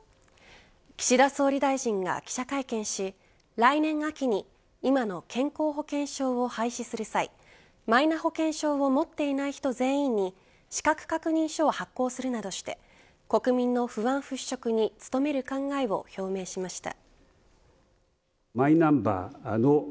岸田総理大臣が記者会見し来年秋に今の健康保険証を廃止する際マイナ保険証を持っていない人全員に資格確認書を発行するなどして国民の不安払拭に努める考えを表明しました。